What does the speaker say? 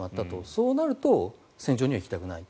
そうなると戦場には行きたくない。